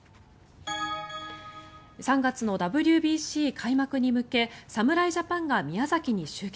３月のＷＢＣ開幕に向け侍ジャパンが宮崎に集結。